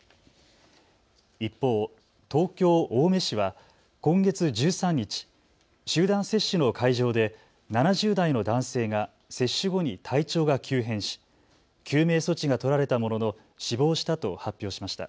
一方、東京青梅市は今月１３日、集団接種の会場で７０代の男性が接種後に体調が急変し救命措置が取られたものの死亡したと発表しました。